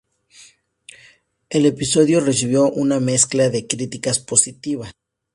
El episodio recibió una mezcla de críticas positivas.